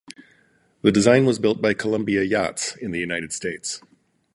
The design was built by Columbia Yachts in the United States.